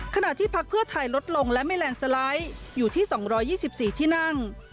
ขณะที่พักเพื่อไทยลดลงและไม่แลนด์สไลด์อยู่ที่๒๒๔ที่นั่ง